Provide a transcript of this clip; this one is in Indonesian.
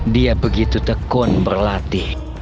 dia begitu tekun berlatih